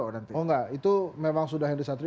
oh enggak itu memang sudah henry satrio